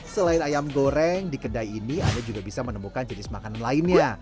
selain ayam goreng di kedai ini anda juga bisa menemukan jenis makanan lainnya